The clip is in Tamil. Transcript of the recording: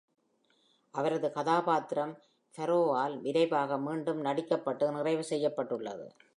அவரது கதாபாத்திரம் Farrow-ஆல் விரைவாக மீண்டும் நடிக்கப்பட்டு நிறைவு செய்யப்பட்டது.